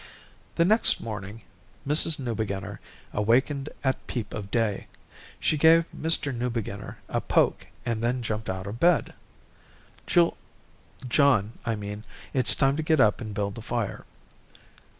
The next morning, Mrs. Newbeginner awakened at peep of day. She gave Mr. Newbeginner a poke and then jumped out of bed. "Jul John, I mean, it's time to get up and build the fire."